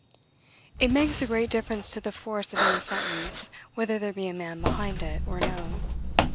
It makes a great difference to the force of any sentence, whether there be a man behind it, or no.